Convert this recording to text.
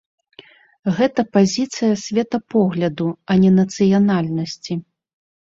Гэта пазіцыя светапогляду, а не нацыянальнасці.